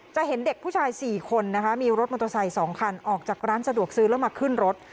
จะเห็นเด็กผู้ชาย๔คนนะคะมีรถมอเตอร์ไซค์๒คันออกจากร้านสะดวกซื้อแล้วมาขึ้นรถ